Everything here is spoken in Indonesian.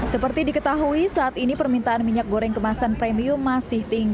seperti diketahui saat ini permintaan minyak goreng kemasan premium masih tinggi